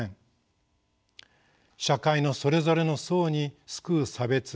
社会のそれぞれの層に巣くう差別